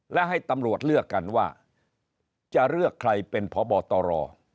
และให้ตำรวจเลือกกันว่าจะเลือกใครเป็นพบตร